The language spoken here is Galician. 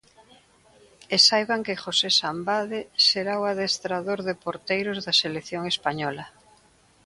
E saiban que José Sambade será o adestrador de porteiros da selección española.